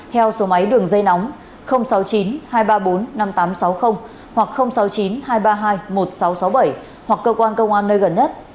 theo số máy đường dây nóng sáu mươi chín hai trăm ba mươi bốn năm nghìn tám trăm sáu mươi hoặc sáu mươi chín hai trăm ba mươi hai một nghìn sáu trăm sáu mươi bảy hoặc cơ quan công an nơi gần nhất